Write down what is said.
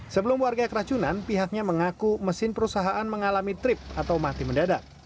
sebelum warga keracunan pihaknya mengaku mesin perusahaan mengalami trip atau mati mendadak